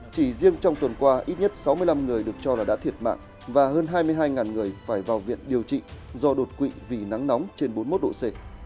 chỉ riêng trong tuần qua ít nhất sáu mươi năm người được cho là đã thiệt mạng và hơn hai mươi hai người phải vào viện điều trị do đột quỵ vì nắng nóng trên bốn mươi một độ c